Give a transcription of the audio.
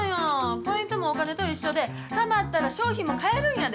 ポイントもお金と一緒で、たまったら商品も買えるんやで？